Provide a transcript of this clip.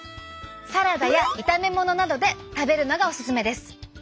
サラダや炒めものなどで食べるのがオススメです！